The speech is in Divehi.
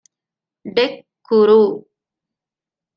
ޑެކްކުރޫ